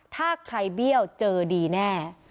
ถ้าใครเบี้ยวเจอดีแน่